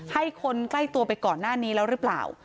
ให้คนใกล้ตัวไปก่อนหน้านี้แล้วหรือเปล่า